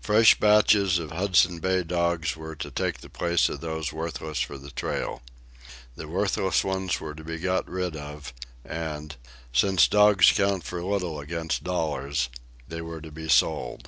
Fresh batches of Hudson Bay dogs were to take the places of those worthless for the trail. The worthless ones were to be got rid of, and, since dogs count for little against dollars, they were to be sold.